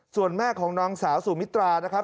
ส่วนแม่ของนางสาวสุมิตรานะครับ